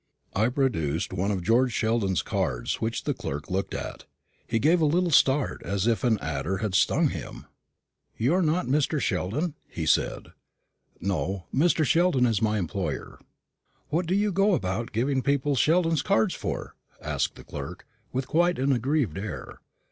I produced one of George Sheldon's cards, which the clerk looked at. He gave a little start as if an adder had stung him. "You're not Mr. Sheldon?" he said. "No; Mr. Sheldon is my employer." "What do you go about giving people Sheldon's card for?" asked the clerk, with quite an aggrieved air.